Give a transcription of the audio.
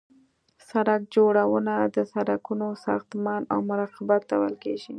سرک جوړونه د سرکونو ساختمان او مراقبت ته ویل کیږي